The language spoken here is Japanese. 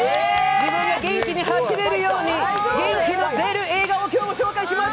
自分で元気に走るように、元気の出る映画を今日、紹介します。